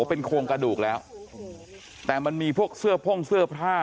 เป็นโครงกระดูกแล้วแต่มันมีพวกเสื้อพ่งเสื้อผ้า